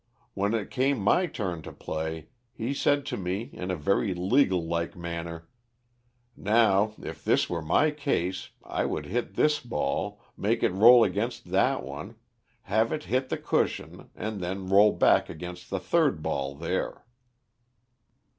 When it came my turn to play, he said to me in a very legal like manner: 'now if this were my case, I would hit this ball, make it roll against that one, have it hit the cushion, and then roll back against the third ball there'."